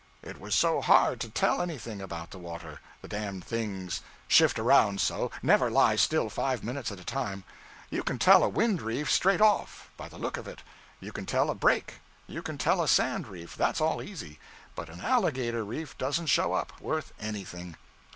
It was so hard to tell anything about the water; the damned things shift around so never lie still five minutes at a time. You can tell a wind reef, straight off, by the look of it; you can tell a break; you can tell a sand reef that's all easy; but an alligator reef doesn't show up, worth anything.